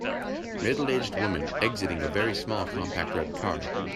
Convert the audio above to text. Middleaged woman exiting a very small compact red car.